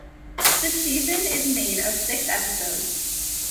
The season is made of six episodes.